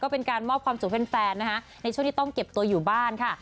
เป็นการมอบความสุขให้แฟนนะคะในช่วงที่ต้องเก็บตัวอยู่บ้านค่ะ